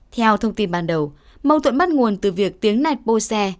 theo thông tin ban đầu mâu thuẫn bắt nguồn từ việc tiếng nạch bô xe